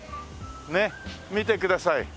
ねっ見てください。